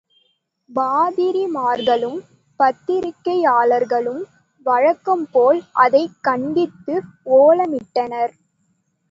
பாதிரிமார்களும், பத்திரிகைக்காரர்களும் வழக்கம்போல் அதைக் கண்டித்து ஓலமிட்டனர்.